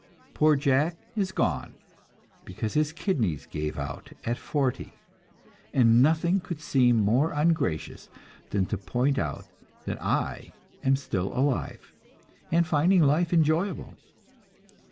Poor Jack is gone, because his kidneys gave out at forty; and nothing could seem more ungracious than to point out that I am still alive, and finding life enjoyable.